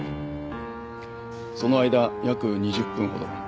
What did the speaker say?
その間約２０分ほど。